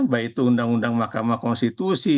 baik itu undang undang mahkamah konstitusi